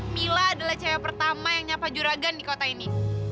mila adalah cewek pertama yang nyapa juragan di kota ini